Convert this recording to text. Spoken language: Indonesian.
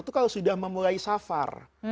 itu kalau sudah memulai safar